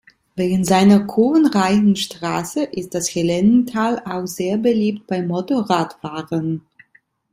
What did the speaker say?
Wegen seiner kurvenreichen Straße ist das Helenental auch sehr beliebt bei Motorradfahrern.